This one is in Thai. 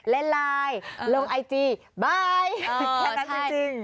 เล่นไลน์ลงไอจีบายแค่นั้นจริง